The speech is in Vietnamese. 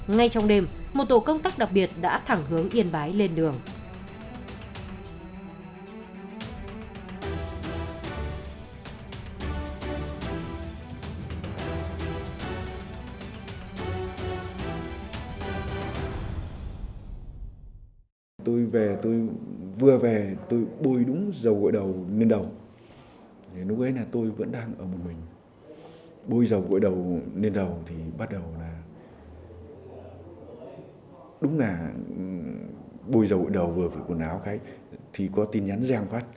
ngay trong đêm một tổ công tác đặc biệt đã thẳng hướng yên bái lên đường